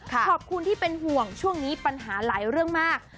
ขอบคุณที่เป็นห่วงช่วงนี้ปัญหาหลายเรื่องมาก